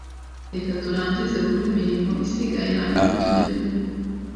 Reka turangize vuba imirimo isigaye hanyuma tujye kunywa.